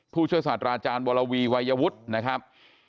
ผู้ช่วยศาสตราอาจารย์วรวีวัยวุฒินะครับ